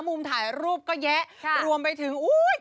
มุมถ่ายรูปก็แยะรวมไปถึงอุ้ย